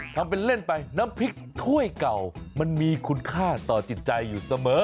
ทำเป็นเล่นไปน้ำพริกถ้วยเก่ามันมีคุณค่าต่อจิตใจอยู่เสมอ